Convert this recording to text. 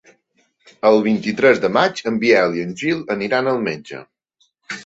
El vint-i-tres de maig en Biel i en Gil aniran al metge.